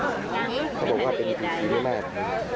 เป็นผู้หญิงความเป็นผู้หญิง